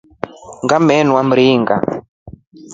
Mmenua mringa.